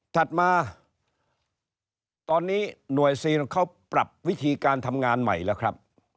ถัดมาตอนนี้หน่วยซีนเขาปรับวิธีการทำงานใหม่แล้วครับ